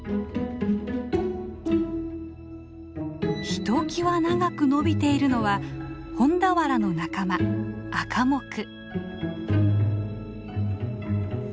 ひときわ長く伸びているのはホンダワラの仲間アカモク。